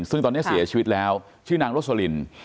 ซึ่งตอนนี้เสียชีวิตแล้วชื่อนางโรสลิน